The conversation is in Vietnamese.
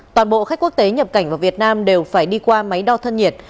toàn bộ khách quốc tế nhập cảnh vào việt nam đều phải đi qua máy đo thân nhiệt